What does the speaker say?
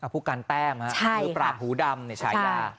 พวกการแต้มฮะหรือปราบหูดำในชายา